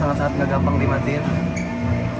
gak gampang dimatikan